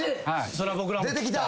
それは僕らも聞きたい。